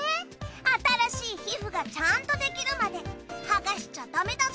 新しいひふがちゃんとできるまではがしちゃだめだぞ！